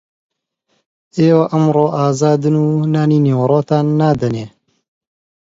ئێوە ئەمڕۆ ئازادن و نانی نیوەڕۆتان نادەینێ